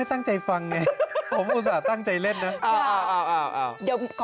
ตั้งใจฟังเลยค่ะ